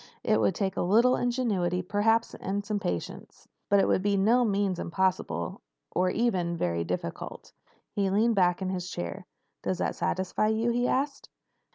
It would take a little ingenuity, perhaps, and patience. But it would be by no means impossible or even very difficult." He leaned back in his chair. "Does that satisfy you?" he asked.